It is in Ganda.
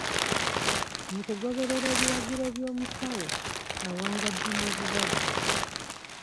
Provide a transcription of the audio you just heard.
Mu kugoberera ebiragiro by'omusawo, awangadde n'obulwadde.